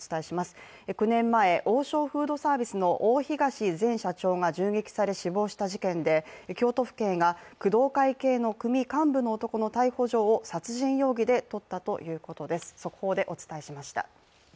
９年前、王将フードサービスの大東隆行前社長が銃撃され死亡した事件で、京都府警が工藤会系の組幹部の男の逮捕状を殺人容疑で取ったということです。